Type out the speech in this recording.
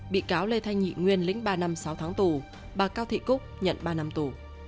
bị cáo lê thanh nhị nguyên lĩnh ba năm sáu tháng tù bà cao thị cúc nhận ba năm tù